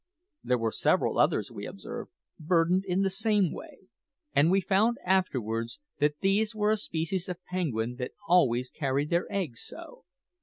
There were several others, we observed, burdened in the same way; and we found afterwards that these were a species of penguin that always carried their eggs so.